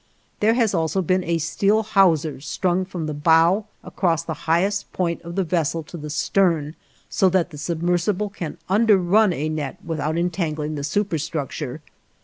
There has also been a steel hawser strung from the bow across the highest point of the vessel to the stern, so that the submersible can underrun a net without entangling the superstructure.